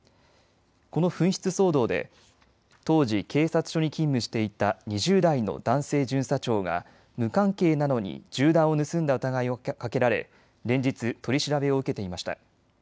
この紛失騒動で当時、警察署に勤務していた２０代の男性巡査長が無関係なのに銃弾を盗んだ疑いをかけられ連日、取り調べを受けていました。